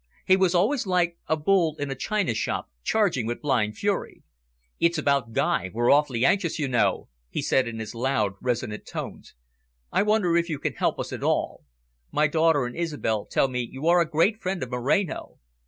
He was always like a bull in a china shop, charging with blind fury. "It's about Guy, we're awfully anxious, you know," he said in his loud, resonant tones. "I wonder if you can help us at all. My daughter and Isobel tell me you are a great friend of Moreno."